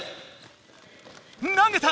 投げた！